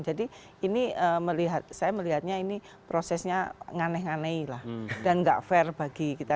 jadi ini saya melihatnya ini prosesnya nganeh nganei lah dan nggak fair bagi kita